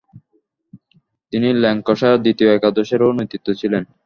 তিনি ল্যাঙ্কাশায়ার দ্বিতীয় একাদশেরও নেতৃত্বে ছিলেন।